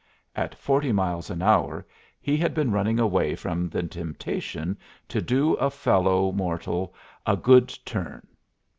At forty miles an hour he had been running away from the temptation to do a fellow mortal "a good turn."